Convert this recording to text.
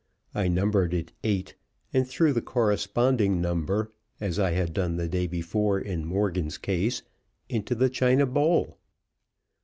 I numbered it Eight, and threw the corresponding number (as I had done the day before in Morgan's case) into the china bowl.